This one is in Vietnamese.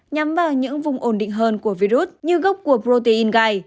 nhắm vào những vùng ổn định hơn của virus như gốc của protein gai